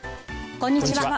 こんにちは